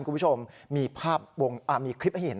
คุณผู้ชมมีคลิปให้เห็น